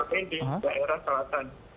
terletak di daerah selatan